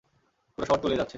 পুরো শহর তলিয়ে যাচ্ছে।